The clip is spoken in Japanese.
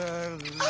あ。